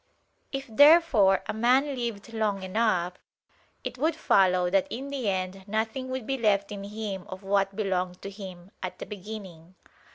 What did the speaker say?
If therefore a man lived long enough, it would follow that in the end nothing would be left in him of what belonged to him at the beginning.